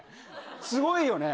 すごいよね。